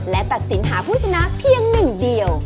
และตัดสินหาผู้ชนะเพียงหนึ่งเดียว